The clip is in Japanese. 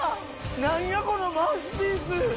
何やこのマウスピース！